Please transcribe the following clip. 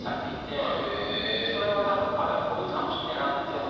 それは多分彼は統一感として狙ってやって。